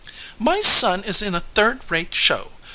"My son is in a third rate show!